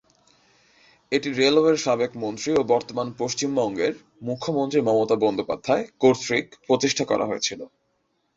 এটি রেলওয়ের সাবেক মন্ত্রী ও বর্তমান পশ্চিমবঙ্গের মুখ্যমন্ত্রী মমতা বন্দ্যোপাধ্যায় কর্তৃক প্রতিষ্ঠা করা হয়েছিল।